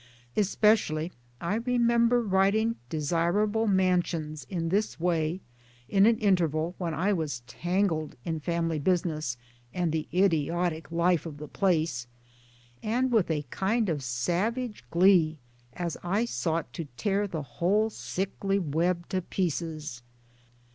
Especially I remember writing Desirable Mansions in this way in an interval when I was tangled in family business and the idiotic life of the place and with a kind of savage glee as I sought to tear the whole sickly web to pieces.